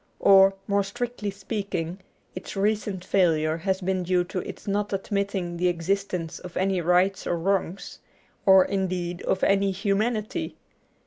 Or, more strictly speaking, its recent failure has been due to its not admitting the existence of any rights or wrongs, or indeed of any humanity.